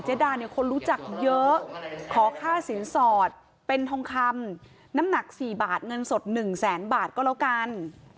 ดาเนี่ยคนรู้จักเยอะขอค่าสินสอดเป็นทองคำน้ำหนัก๔บาทเงินสด๑แสนบาทก็แล้วกัน